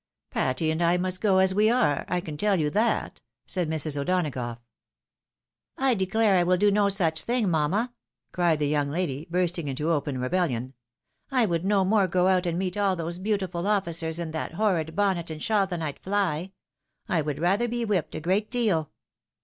Patty and I must go as we are, I can tell you that," said Mrs. (i'Donagough. " I declare I will do no such thing, mamma !" cried the young lady, bursting into open rebellion ;" I would no more go out and meet all those beautiful officers in that horrid bonnet and shawl, than Pd fly. I would rather be whipped a great deal."